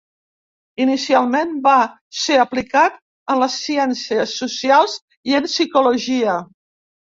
Inicialment va ser aplicat en les ciències socials i en psicologia.